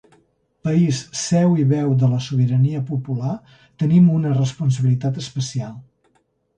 País, seu i veu de la sobirania popular, tenim una responsabilitat especial.